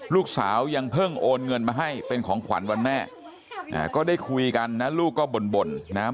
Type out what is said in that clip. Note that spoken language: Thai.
ลูกสาวยังเพิ่งโอนเงินมาให้เป็นของขวัญวันแม่ก็ได้คุยกันนะลูกก็บ่นนะครับ